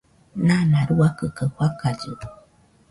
Nana ruakɨ kaɨ fakallɨ